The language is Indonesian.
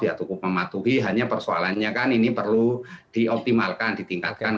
ya cukup mematuhi hanya persoalannya kan ini perlu dioptimalkan ditingkatkan